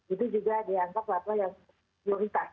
itu juga diangkat apa yang prioritas